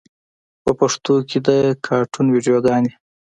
په پښتو کې د کاټون ویډیوګانې